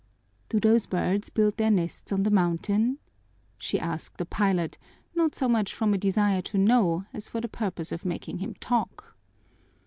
"Do those birds build their nests on the mountain?" she asked the pilot, not so much from a desire to know as for the purpose of making him talk.